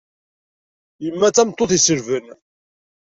Yemma d tameṭṭut iselben.